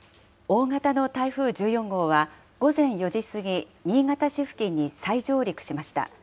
大型の台風１４号は、午前４時過ぎ、新潟市付近に再上陸しました。